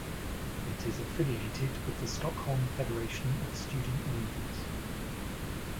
It is affiliated with the Stockholm Federation of Student Unions.